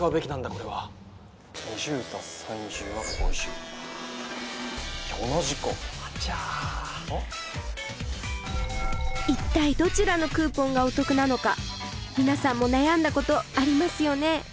これは２０＋３０は５０同じかあちゃ一体どちらのクーポンがお得なのか皆さんも悩んだことありますよね